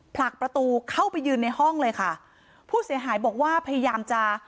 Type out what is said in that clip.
ผลักประตูเข้าไปยืนในห้องเลยค่ะผู้เสียหายบอกว่าพยายามจะ